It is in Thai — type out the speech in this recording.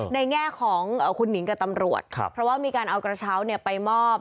แง่ของคุณหนิงกับตำรวจเพราะว่ามีการเอากระเช้าไปมอบ